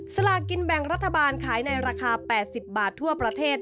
สลากินแบ่งรัฐบาลขายในราคา๘๐บาททั่วประเทศ